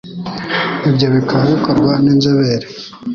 ibyo bikaba bikorwa n'inzobere